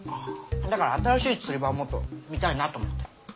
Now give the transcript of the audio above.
だから新しい釣り場をもっと見たいなと思って。